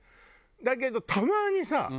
だけどたまにさえっ！？